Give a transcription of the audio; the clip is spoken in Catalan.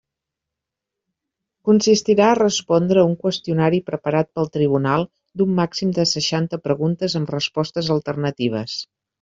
Consistirà a respondre un qüestionari preparat pel tribunal d'un màxim de seixanta preguntes amb respostes alternatives.